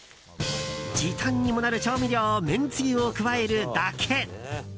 時短にもなる調味料めんつゆを加えるだけ。